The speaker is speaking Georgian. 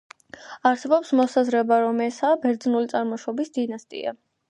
არსებობს მოსაზრება, რომ ესაა ბერძნული წარმოშობის დინასტია.